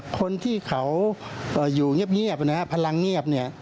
คนที่เขาอยู่เงียบนะฮะพลังเงียบเนี่ย